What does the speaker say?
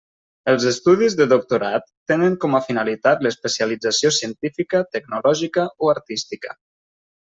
Els estudis de doctorat tenen com a finalitat l'especialització científica, tecnològica o artística.